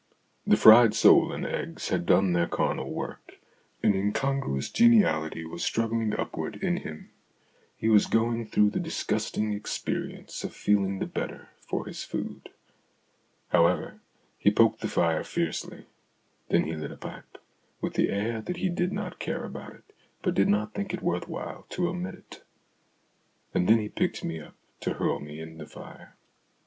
The fried sole and eggs had done their carnal work ; an incon gruous geniality was struggling upward in him ; he was going through the disgusting experience of feeling the better for his food. However, he poked the fire fiercely ; then he lit a pipe, with the air that he did not care about it, but did not think it worth while to omit it. And then he picked me up, to hurl me in the fire.